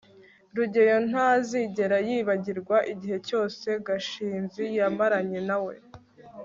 rugeyo ntazigera yibagirwa igihe cyose gashinzi yamaranye na we